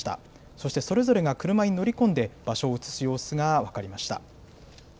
そしてそれぞれが車に乗り込んで、場所を移す様子が分かりました。